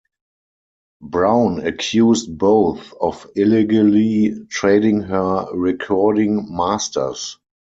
Brown accused both of illegally trading her recording masters.